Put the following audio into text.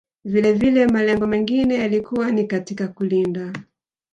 Vilevile malengo mengine yalikuwa ni katika kulinda